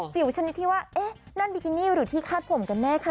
จิ๋วชนิดที่ว่านั่นบิกินิหรือที่คาดผมกันแม่คะสิ